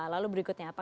lalu berikutnya apa